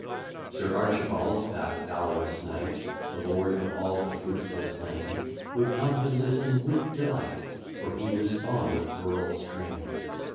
Sir Archibald, that valorous knight. The lord of all the fruitful plain, Would come to listen with delight, For he was fond of rural strain.